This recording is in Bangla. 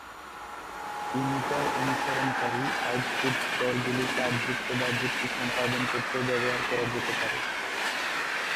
ইমিটার অনুসরণকারী আউটপুট স্তরগুলি তারযুক্ত বা যুক্তি সম্পাদন করতেও ব্যবহার করা যেতে পারে।